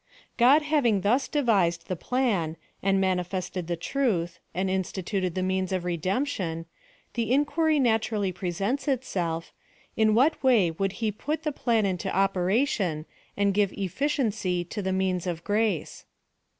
God having thus devised the plan, and manifest ed the trntli, and instituted the means of redemj) tion ; the inquiry naturally presents itself— In what way would he put the plan into operation, and ^ive efficiency to the means of grace